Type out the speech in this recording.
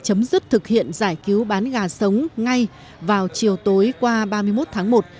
chấm dứt thực hiện giải cứu bán gà sống ngay vào chiều tối qua ba mươi một tháng một